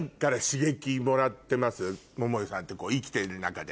桃井さんって生きている中で。